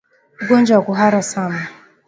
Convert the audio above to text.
Ugonjwa wa kuhara sana